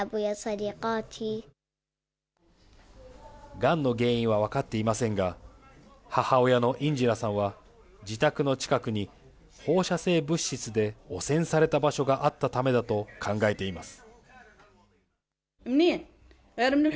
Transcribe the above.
がんの原因は分かっていませんが、母親のインジラさんは、自宅の近くに放射性物質で汚染された場所があったためだと考えています。